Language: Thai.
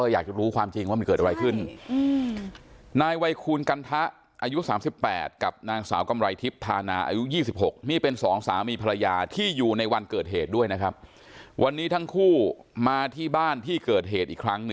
อยากได้ความเป็นธรรมอ่ะค่ะ